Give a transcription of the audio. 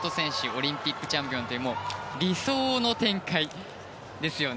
オリンピックチャンピオンっていう理想の展開ですよね。